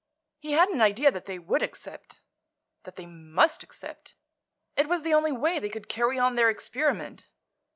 He had an idea that they would accept; that they must accept; it was the only way they could carry on their experiment.